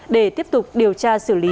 để tiếp tục điều tra xử lý